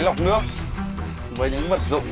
lọc nước với những vật dụng